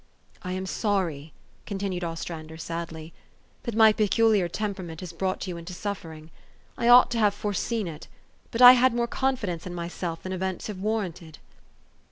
" I am sorry," continued Ostrander sadly, " that my peculiar temperament has brought you into suf fering. I ought to have foreseen it ; but I had more confidence in myself than events have warranted."